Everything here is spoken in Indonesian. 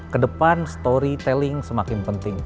kedepan story telling semakin penting